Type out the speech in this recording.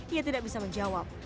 ia tidak bisa menjawab